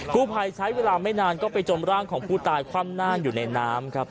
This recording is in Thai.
ผู้ภัยใช้เวลาไม่นานก็ไปจมร่างของผู้ตายคว่ำหน้าอยู่ในน้ำครับ